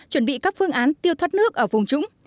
chuẩn bị các phương án tiêu thoát nước ở vùng trũng